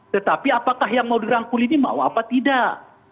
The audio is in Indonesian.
tetapi apakah yang mau dirangkul ini mau apa tidak